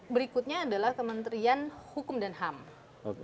berikutnya adalah kementerian hukum dan ham